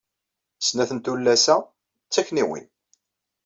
Snat n tullas-a d takniwin.